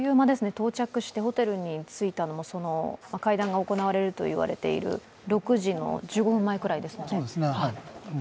到着してホテルに着いたのも会談が行われるといわれている６時の１５分前ぐらいですものね。